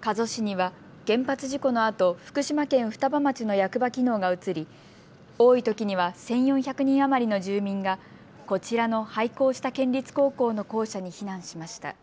加須市には原発事故のあと福島県双葉町の役場機能が移り多いときには１４００人余りの住民がこちらの廃校した県立高校の校舎に避難しました。